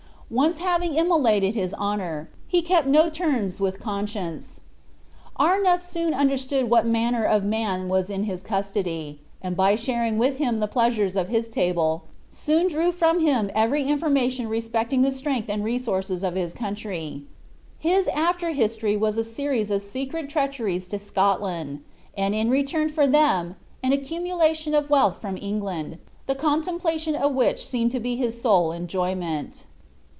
Once having immolated his honor, he kept no terms with conscience. Arnulf soon understood what manner of man was in his custody; and by sharing with him the pleasures of his table, soon drew from him every information respecting the strength and resources of his country. His after history was a series of secret treacheries to Scotland; and in return for them, an accumulation of wealth from England, the comtemplation of which seemed to be his sole enjoyment.